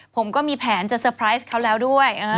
ผมก็มีแผนจะเตอร์ไพรส์เขาแล้วด้วย